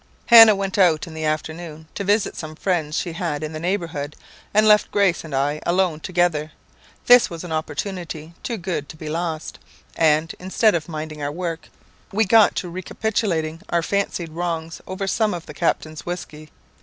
"Hannah went out in the afternoon, to visit some friends she had in the neighbourhood, and left Grace and I alone together. This was an opportunity too good to be lost, and, instead of minding our work, we got recapitulating our fancied wrongs over some of the captain's whisky.